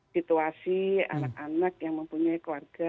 situasi anak anak yang mempunyai keluarga